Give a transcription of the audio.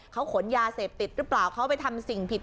เขาขนยาเสพติดหรือเปล่าเขาไปทำสิ่งผิด